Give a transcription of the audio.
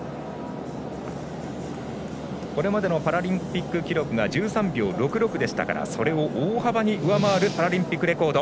これまでのパラリンピック記録が１３秒６６でしたからそれを大幅に上回るパラリンピックレコード。